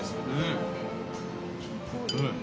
うん。